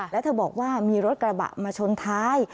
แล้วเธอบอกว่ามีรถกระบะมาชนท้าย